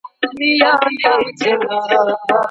د کور تودول ولي اړین دي؟